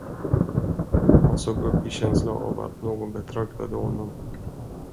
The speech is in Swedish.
Han såg upp i känsla av att någon betraktade honom.